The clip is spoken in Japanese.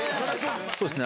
そうですね